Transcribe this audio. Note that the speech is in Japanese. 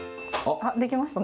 あっ、出来ましたね。